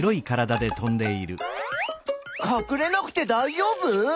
かくれなくてだいじょうぶ？